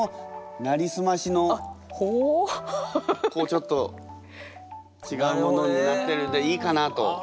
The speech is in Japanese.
ちょっと違うものになってるんでいいかなと。